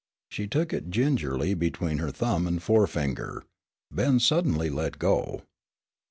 She took it gingerly between her thumb and forefinger. Ben suddenly let go.